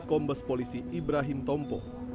kombes polisi ibrahim tompo